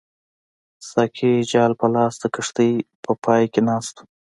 ساقي جال په لاس د کښتۍ په پای کې ناست وو.